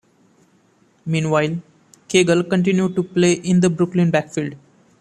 Meanwhile, Cagle continued to play in the Brooklyn backfield.